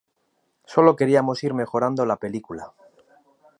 Sólo queríamos ir mejorando la película.